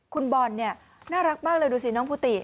คุณบอลเนี่ยน่ารักมากเลยดูสิน้องกุฏิ